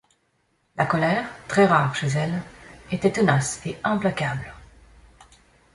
La colère, très-rare chez elle, était tenace et implacable.